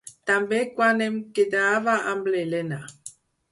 També quan em quedava amb l'Elena.